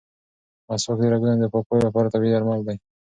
مسواک د رګونو د پاکوالي لپاره طبیعي درمل دي.